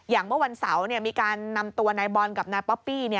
เมื่อวันเสาร์มีการนำตัวนายบอลกับนายป๊อปปี้